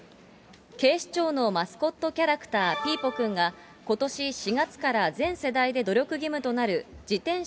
警視庁のマスコットキャラクター、ピーポくんが、ことし４月から全世代で努力義務となる自転車